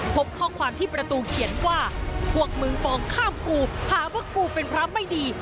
พบข้อความที่ประตูเขียนว่าพวกมึงฟองข้ามกูหาว่ากูเป็นพระไม่ดี